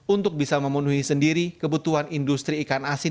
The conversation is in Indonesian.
untuk bisa memenuhi sendiri kebutuhan industri ikan asin